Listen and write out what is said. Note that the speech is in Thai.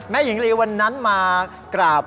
ก็ดูใจวันนั้นมากราบ